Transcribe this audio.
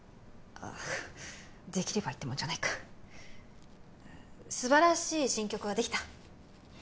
あできればいいってもんじゃないか素晴らしい新曲はできた？